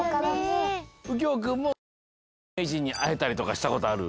うきょうくんもすきなゆうめいじんにあえたりとかしたことある？